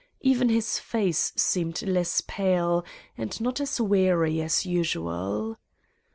Even his face seemed less pale and not as weary as usual.